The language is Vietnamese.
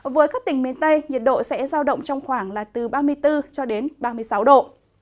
với các tỉnh miền tây nhiệt độ sẽ giao động trong khoảng là từ ba mươi bốn cho đến ba mươi sáu độ